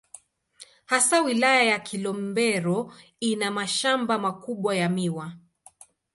Hasa Wilaya ya Kilombero ina mashamba makubwa ya miwa.